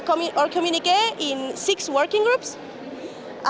kami menutup komunikasi kita dalam enam grup pekerja